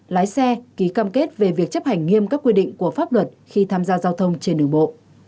lái xe ký cam kết về việc chấp hành nghiêm các quy định của pháp luật khi tham gia giao thông trên đường bộ